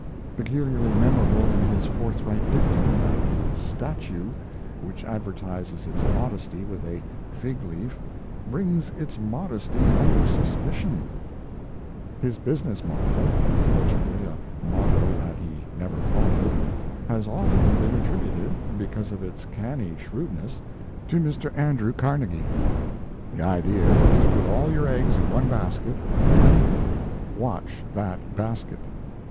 Peculiarly memorable is his forthright dictum that the statue which advertises its modesty with a fig leaf brings its modesty under suspicion. His business motto unfortunately, a motto that he never followed has often been attributed, because of its canny shrewdness, to Mr. Andrew Carnegie. The idea was to put all your eggs in one basket and then watch that basket!